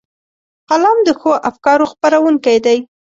قلم د ښو افکارو خپرونکی دی